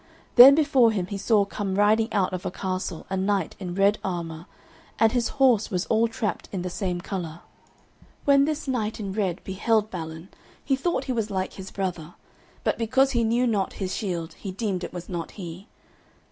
Then before him he saw come riding out of a castle a knight in red armour, and his horse was all trapped in the same colour. When this knight in red beheld Balin, he thought he was like his brother; but because he knew not his shield, he deemed it was not he.